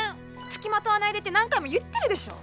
つきまとわないでって何回も言ってるでしょ。